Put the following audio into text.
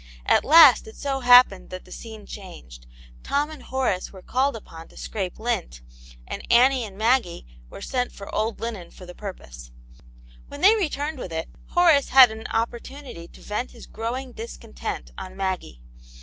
At last it so Aunt Janis Hero, 71 happened that the scene changed ; Tom and Horace were called upon to scrape lint, and Annie and Maggie were sent for old linen for the purpose. When they returned with it, Horace had an opportunity to vent his growing discontent on Maggie.